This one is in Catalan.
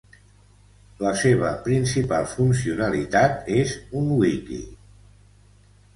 La seva principal funcionalitat és un wiki.